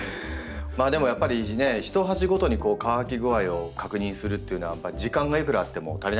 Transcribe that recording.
でもやっぱりね一鉢ごとに乾き具合を確認するっていうのはやっぱり時間がいくらあっても足りないですよね。